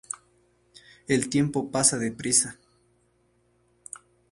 El tiempo pasa deprisa.